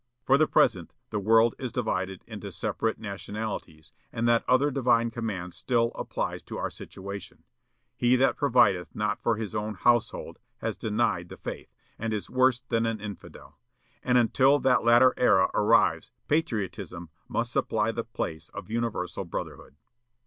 For the present, the world is divided into separate nationalities; and that other divine command still applies to our situation, 'He that provideth not for his own household has denied the faith, and is worse than an infidel,' and until that latter era arrives patriotism must supply the place of universal brotherhood."